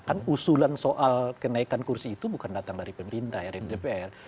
kan usulan soal kenaikan kursi itu bukan datang dari pemerintah ya dari dpr